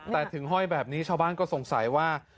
แต่ถึงห้อยแบบนี้ชาวบ้านก็สงสัยว่า